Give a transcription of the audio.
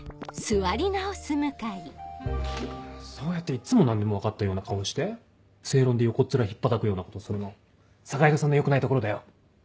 そうやっていっつも何でも分かったような顔して正論で横っ面ひっぱたくようなことするの坂井戸さんのよくないところだよ！